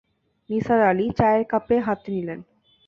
নিসার আলি চায়ের কাপ হাতে নিলেন।